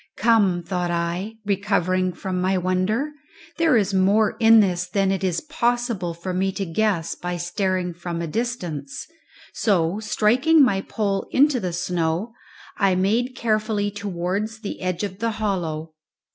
Come, thought I, recovering from my wonder, there is more in this than it is possible for me to guess by staring from a distance; so, striking my pole into the snow, I made carefully towards the edge of the hollow.